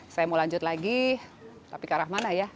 saya mau lanjut lagi tapi ke arah mana ya